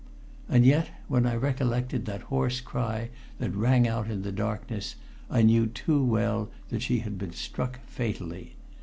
And yet when I recollected that hoarse cry that rang out in the darkness, I knew too well that she had been struck fatally.